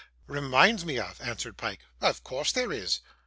'Reminds me of!' answered Pyke. 'Of course there is.